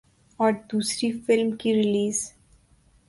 اور دوسری فلم کی ریلیز